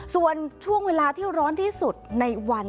ส่วนช่วงเวลาที่ร้อนที่สุดในวัน